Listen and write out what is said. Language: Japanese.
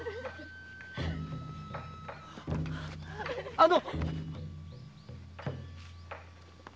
あの！